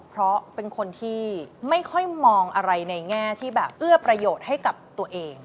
เพราะเป็นคนที่ไม่ค่อยมองอะไรในแง่ที่แบบเอื้อประโยชน์ให้กับตัวเอง